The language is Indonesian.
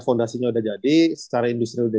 fondasinya udah jadi secara industri udah